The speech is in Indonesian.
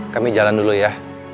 kami jalan dulu ya